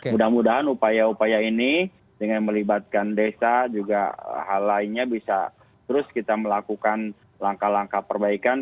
mudah mudahan upaya upaya ini dengan melibatkan desa juga hal lainnya bisa terus kita melakukan langkah langkah perbaikan